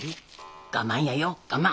我慢やよ我慢。